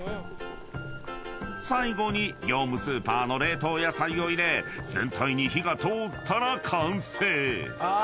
［最後に業務スーパーの冷凍野菜を入れ全体に火が通ったら完成］